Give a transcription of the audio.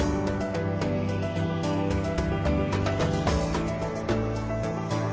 มีชื่ออยู่บ้าง